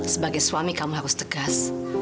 sebagai suami kamu harus tegas